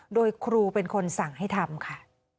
โดยครูเป็นคนสั่งให้ทำค่ะ